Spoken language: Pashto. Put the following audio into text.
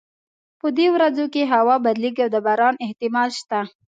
په دې ورځو کې هوا بدلیږي او د باران احتمال شته